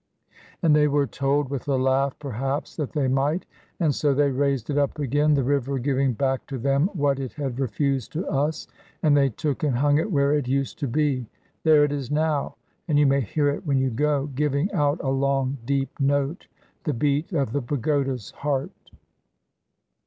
And they were told, with a laugh, perhaps, that they might; and so they raised it up again, the river giving back to them what it had refused to us, and they took and hung it where it used to be. There it is now, and you may hear it when you go, giving out a long, deep note, the beat of the pagoda's heart.